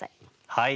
はい。